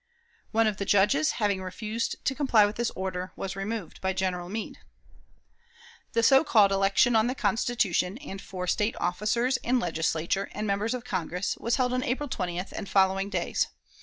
One of the Judges, having refused to comply with this order, was removed by General Meade. The so called election on the Constitution, and for State officers, and Legislature, and members of Congress, was held on April 20th and following days.